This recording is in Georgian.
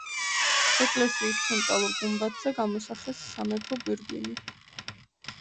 ეკლესიის ცენტრალურ გუმბათზე გამოსახეს სამეფო გვირგვინი.